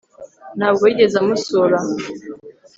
ntabwo yigeze amusura